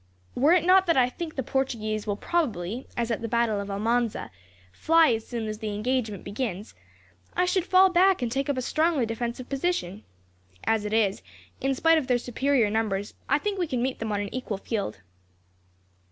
Were it not that I think the Portuguese will probably, as at the battle of Almanza, fly as soon as the engagement begins, I should fall back and take up a strongly defensive position. As it is, in spite of their superior numbers, I think we can meet them on an equal field."